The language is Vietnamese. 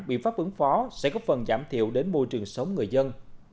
biện pháp ứng phó sẽ góp phần giảm thiểu đến môi trường sống người dân